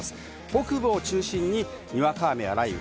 北部を中心に、にわか雨や雷雨、